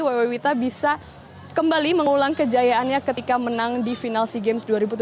wewe wita bisa kembali mengulang kejayaannya ketika menang di final sea games dua ribu tujuh belas